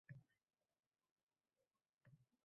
Baliq yogʻi ichish kerak